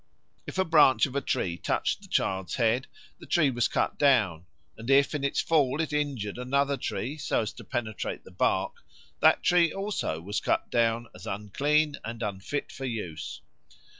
If a branch of a tree touched the child's head, the tree was cut down; and if in its fall it injured another tree so as to penetrate the bark, that tree also was cut down as unclean and unfit for use.